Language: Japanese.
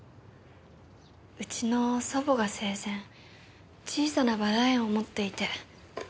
うちの祖母が生前小さなバラ園を持っていて。